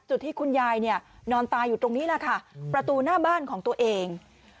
ที่คุณยายเนี่ยนอนตายอยู่ตรงนี้แหละค่ะประตูหน้าบ้านของตัวเอง